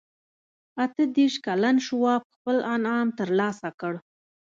اته دېرش کلن شواب خپل انعام ترلاسه کړ.